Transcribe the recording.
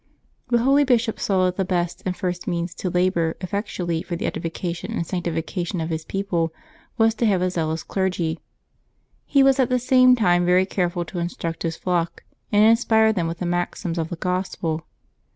The holy bishop saw that the best and first means to labor effectually for the edification and sanctification of his people was to have a zealous clergy. He was at the same time very careful to instruct his flock, and inspire them with the maxims of the Gospel.